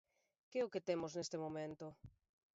¿Que é o que temos neste momento?